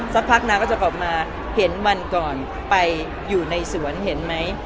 สักพักนางก็จะออกมาเห็นวันก่อนไปอยู่ในสวนเห็นไหม